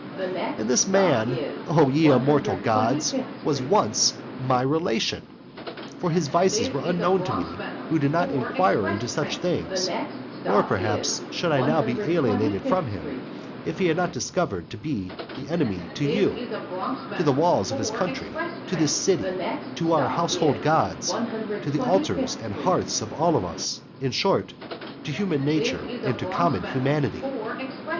And this man, O ye immortal gods, was once my relation! For his vices were unknown to one who did not inquire into such things nor perhaps should I now be alienated from him if he had not been discovered to be an enemy to you, to the walls of his country, to this city, to our household gods, to the altars and hearths of all of us, in short, to human nature and to common humanity.